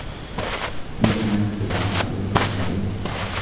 فَنَبَذناهُ بِالعَراءِ وَهُوَ سَقيمٌ